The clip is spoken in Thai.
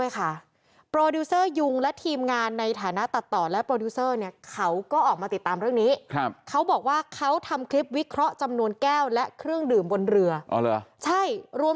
คือทุกคนติดตามหมดเลย